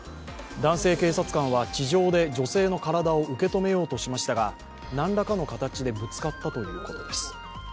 男性警察官は地上で女性の体を受け止めようとしましたがなんらかの形でぶつかったということです。